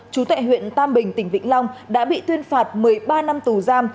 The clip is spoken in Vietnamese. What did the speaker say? chú tại huyện tam bình tỉnh vĩnh long đã bị tuyên phạt một mươi ba năm tù giam